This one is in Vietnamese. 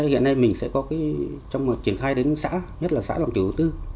hiện nay mình sẽ có trong triển khai đến xã nhất là xã làm tiểu tư